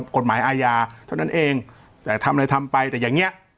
กฎหมายอาญาเท่านั้นเองแต่ทำอะไรทำไปแต่อย่างนี้